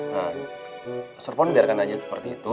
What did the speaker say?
nah serpong dibiarkan aja seperti itu